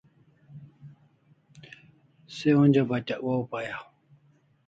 Se onja Batyak waw pay aw